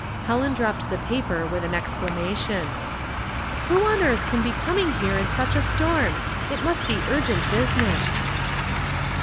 Helen dropped the paper with an exclamation. '•' Who on earth can be coming here in such a Btorm ? It must be urgent business."